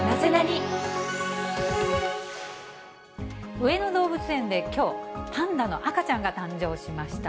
上野動物園できょう、パンダの赤ちゃんが誕生しました。